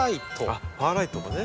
あっパーライトもね。